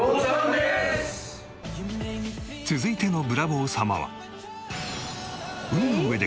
続いてのブラボー様は。